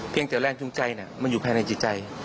เพียงแต่แรงชุงใจเนี่ยมันอยู่ภายในจิตใจ